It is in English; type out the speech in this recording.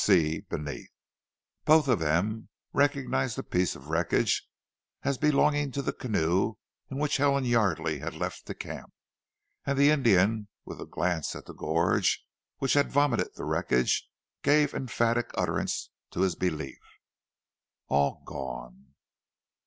B. C. beneath. Both of them recognized the piece of wreckage as belonging to the canoe in which Helen Yardely had left the camp, and the Indian, with a glance at the gorge which had vomited the wreckage, gave emphatic utterance to his belief. "All gone."